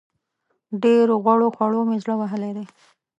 ډېرو غوړو خوړو مې زړه وهلی دی.